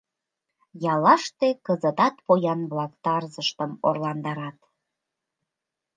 Яллаште кызытат поян-влак тарзыштым орландарат.